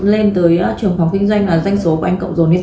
lên tới trưởng phòng kinh doanh là danh số của anh cộng rồn đến tám tỷ